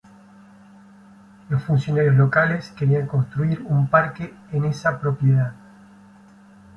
Los funcionarios locales querían construir un parque en esa propiedad.